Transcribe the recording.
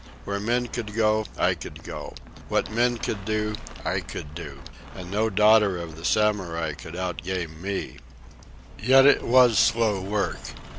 Where men could go, I could go. What men could do, I could do. And no daughter of the Samurai could out game me. Yet it was slow work.